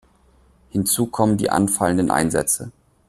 Hinzu kommen die anfallenden Einsätze.